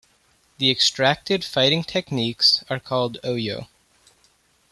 The extracted fighting techniques are called "Oyo".